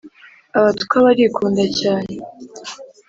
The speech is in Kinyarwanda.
abatwa barikunda cyane